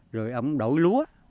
rồi ổng đổi lúa